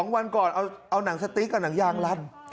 ๒วันก่อนเอาหนังสติ๊กเอาหนังยางรัด